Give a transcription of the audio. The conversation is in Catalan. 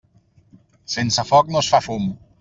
Sense foc no es fa fum.